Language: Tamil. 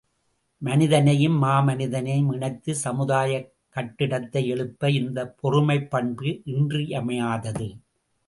மனிதனையும் மாமனிதனையும் இணைத்துச் சமுதாயக் கட்டிடத்தை எழுப்ப இந்தப் பொறுமைப் பண்பு இன்றியமையாதது.